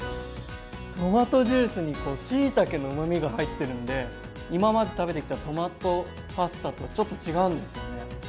トマトジュースにこうしいたけのうまみが入ってるんで今まで食べてきたトマトパスタとはちょっと違うんですよね。